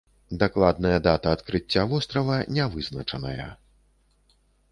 Дакладная дата адкрыцця вострава не вызначаная.